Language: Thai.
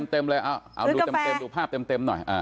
เต็มเลยเอ้าดูภาพเต็มหน่อย